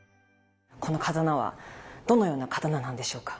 この刀はどのような刀なんでしょうか。